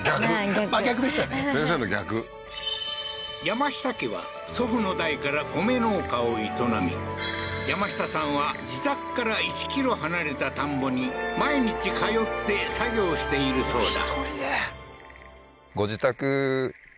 逆真逆でしたね先生の逆山下家は祖父の代から米農家を営み山下さんは自宅から１ｋｍ離れた田んぼに毎日通って作業しているそうだ